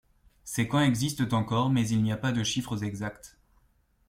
Ces camps existent encore mais il n'y a pas de chiffres exacts.